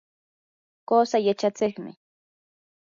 qusaa yachachiqmi.